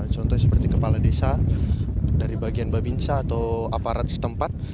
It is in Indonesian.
contohnya seperti kepala desa dari bagian babinsa atau aparat setempat